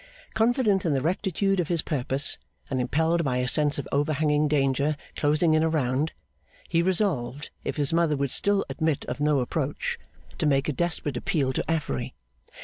Confident in the rectitude of his purpose, and impelled by a sense of overhanging danger closing in around, he resolved, if his mother would still admit of no approach, to make a desperate appeal to Affery.